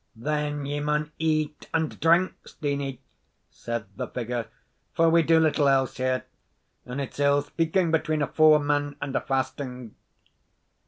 "Then ye maun eat and drink, Steenie," said the figure; "for we do little else here; and it's ill speaking between a fou man and a fasting."